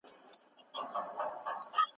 ابن خلدون د ښاري او صحرایي ژوند توپیر وکړ.